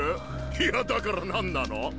いやだからなんなの？